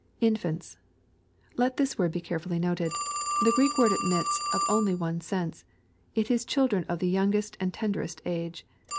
[Infants.] Let this word be carefully noted. The Greek word admits of only one sense. It is children of the youngest and ten derest age.